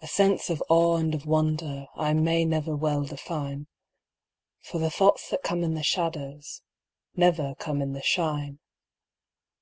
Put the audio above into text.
A sense of awe and of wonder I may never well define, For the thoughts that come in the shadows Never come in the shine.